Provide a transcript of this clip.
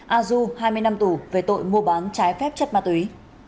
azu hai mươi năm tù về tội mua bán trái phép chất ma túy